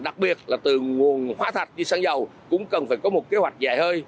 đặc biệt là từ nguồn hóa thạch đi sang dầu cũng cần phải có một kế hoạch dài hơi